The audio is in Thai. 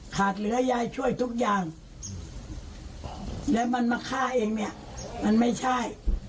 เหลือยายช่วยทุกอย่างแล้วมันมาฆ่าเองเนี่ยมันไม่ใช่